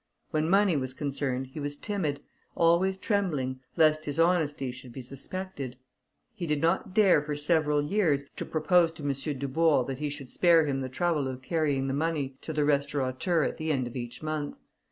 When money was concerned, he was timid, always trembling, lest his honesty should be suspected. He did not dare, for several years, to propose to M. Dubourg that he should spare him the trouble of carrying the money to the restaurateur at the end of each month.